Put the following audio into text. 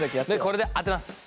これで当てます。